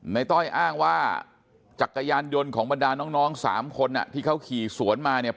ต้อยอ้างว่าจักรยานยนต์ของบรรดาน้องสามคนที่เขาขี่สวนมาเนี่ย